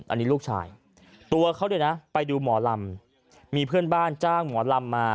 อันนี้ลูกชายตัวเขาเนี่ยนะไปดูหมอลำมีเพื่อนบ้านจ้างหมอลำมา